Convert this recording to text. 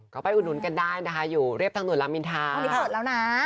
เขาไปอุดหนุนกันได้นะคะอยู่เรียบทั้งหน่วยลำอินทา